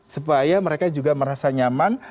supaya mereka juga merasa nyaman